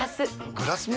グラスも？